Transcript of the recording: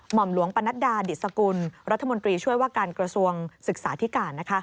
หมอมหลวงปนัดดาดิสกุลรัฐมนตรีช่วยว่าการกระทรวงศึกษาธิการ